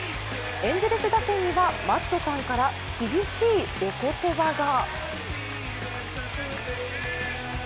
エンゼルス打線にはマットさんから厳しいお言葉が。